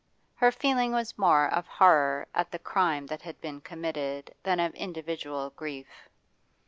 Her feeling was more of horror at the crime that had been committed than of individual grief.